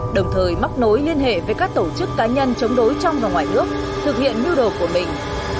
đồng thời mắc nối liên hệ với các tổ chức cá nhân chống đối trong và ngoài nước thực hiện mưu đồ của mình